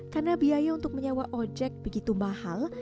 karena biaya untuk menyewa ojek begitu mahal